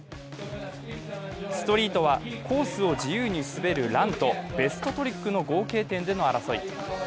ストリートはコースを自由に滑るランとベストトリックとの合計点での争い。